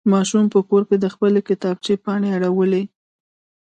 ماشوم په کور کې د خپلې کتابچې پاڼې اړولې.